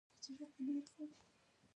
زیات د بیر کمپنۍ په ارزښت پر هاینکن وپلوره.